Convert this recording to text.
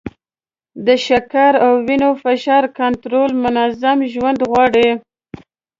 د شکر او وینې فشار کنټرول منظم ژوند غواړي.